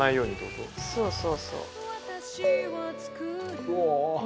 そうそうそう。